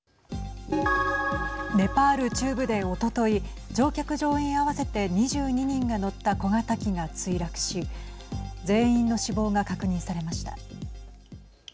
ネパール中部で、おととい乗客、乗員合わせて２２人が乗った小型機が墜落し全員の死亡が確認されました。